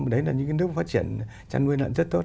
đấy là những nước phát triển chăn nuôi lợn rất tốt